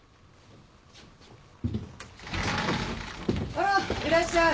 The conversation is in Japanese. あらいらっしゃい。